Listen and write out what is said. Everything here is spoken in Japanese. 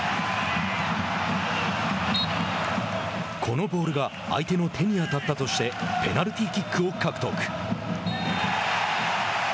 このボールが相手の手に当たったとしてペナルティーキックを獲得。